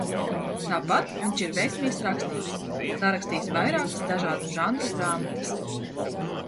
Tāpat viņš ir veiksmīgs rakstnieks – sarakstījis vairākas dažādu žanru grāmatas.